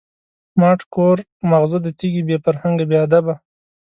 ماټ کور ماغزه د تیږی، بی فرهنگه بی ادبه